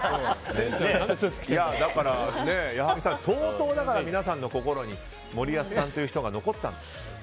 だから、矢作さん相当、皆さんの心に森保さんという人が残ったんでしょうか。